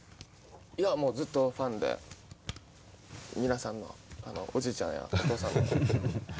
いやもうずっとファンで皆さんのおじいちゃんやお父さんの。